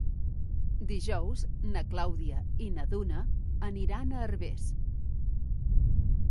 Dijous na Clàudia i na Duna aniran a Herbers.